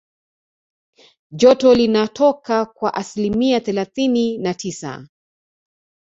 joto linatoka kwa asilimia thelathini na tisa